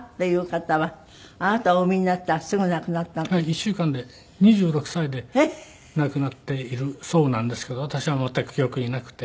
１週間で２６歳で亡くなっているそうなんですけど私は全く記憶になくて。